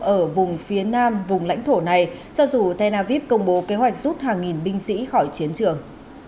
ở vùng phía nam vùng lãnh thổ này cho dù tel aviv công bố kế hoạch rút hàng nghìn binh sĩ khỏi chiến trường